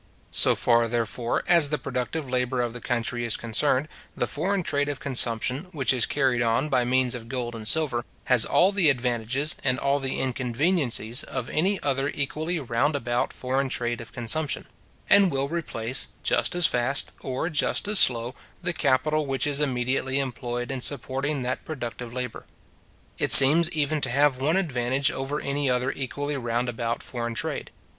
So far, therefore, as the productive labour of the country is concerned, the foreign trade of consumption, which is carried on by means of gold and silver, has all the advantages and all the inconveniencies of any other equally round about foreign trade of consumption; and will replace, just as fast, or just as slow, the capital which is immediately employed in supporting that productive labour. It seems even to have one advantage over any other equally round about foreign trade.